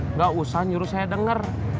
nggak usah nyuruh saya dengar